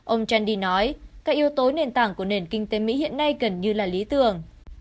ông chandi nói các yếu tố nền tảng của nền kinh tế mỹ hiện nay gần như là lý tưởng